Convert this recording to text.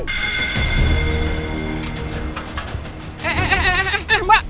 eh eh eh eh eh mbak